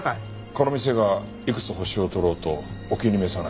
この店がいくつ星を取ろうとお気に召さないと？